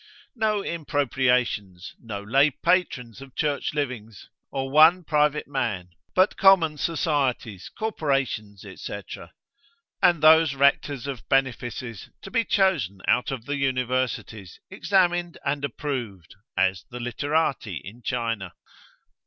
No impropriations, no lay patrons of church livings, or one private man, but common societies, corporations, &c., and those rectors of benefices to be chosen out of the Universities, examined and approved, as the literati in China.